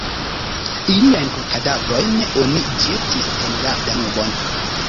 Iliajn kadavrojn oni ĵetis en la Danubon.